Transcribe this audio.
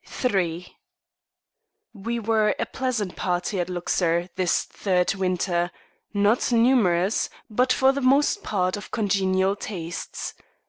III We were a pleasant party at Luxor, this third winter, not numerous, but for the most part of congenial tastes.